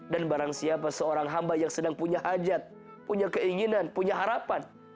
dan barang siapa seorang hamba yang sedang punya hajat punya keinginan punya harapan